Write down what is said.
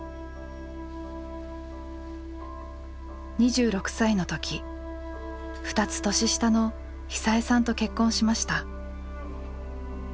２６歳の時２つ年下の久枝さんと結婚しました。